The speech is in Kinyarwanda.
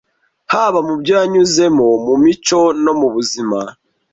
Haba mu byo yanyuzemo, mu mico, no mu buzima